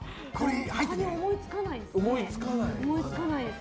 他に思いつかないです。